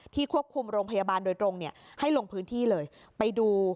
ควบคุมโรงพยาบาลโดยตรงเนี่ยให้ลงพื้นที่เลยไปดู